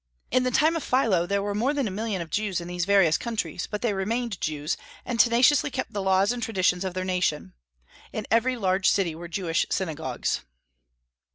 In the time of Philo, there were more than a million of Jews in these various countries; but they remained Jews, and tenaciously kept the laws and traditions of their nation. In every large city were Jewish synagogues.